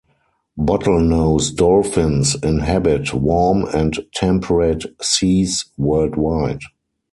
Bottlenose dolphins inhabit warm and temperate seas worldwide.